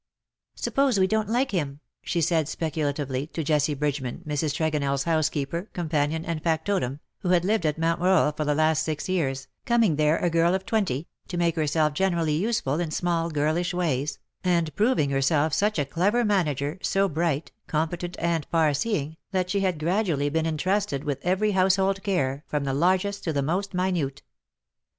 ^^ Suppose we don^t like him T' she said, specula tively, to Jessie Bridgeman, Mrs. TregonelFs house keeper, companion, and factotum, who had lived at Mount Royal for the last six years, coming there a girl of twenty, to make herself generally use ful in small girlish ways, and proving herself such a clever manager, so bright, competent, and far seeing, that she had been gradually entrusted with every 138 THE DAYS THAT ARE NO MORE. household care^ from the largest to the most minute.